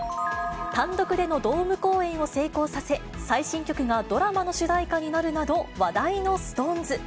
単独でのドーム公演を成功させ、最新曲がドラマの主題歌になるなど、話題のＳｉｘＴＯＮＥＳ。